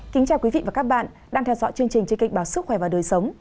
kính chào quý vị và các bạn đang theo dõi chương trình trên kịch báo sức khỏe và đời sống